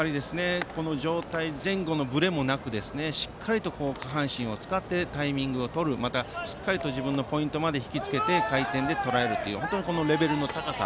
上体の前後のぶれもなくしっかり下半身を使ってタイミングをとる、またしっかり自分のポイントまで引き付けて回転でとらえるという本当にレベルの高さ。